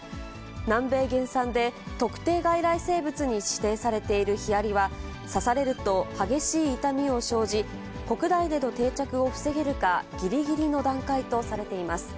南米原産で、特定外来生物に指定されているヒアリは、刺されると激しい痛みを生じ、国内への定着を防げるか、ぎりぎりの段階とされています。